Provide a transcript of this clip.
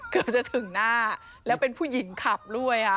เกือบจะถึงหน้าแล้วเป็นผู้หญิงขับด้วยค่ะ